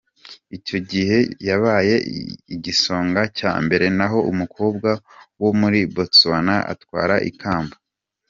Icyo gihe yabaye igisonga cya mbere naho umukobwa wo muri Botswana atwara ikamba.